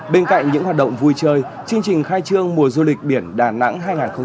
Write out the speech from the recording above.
bên cạnh những hoạt động vui chơi chương trình khai trương mùa du lịch biển đà nẵng hai nghìn hai mươi bốn